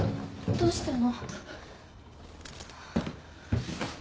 どしたの？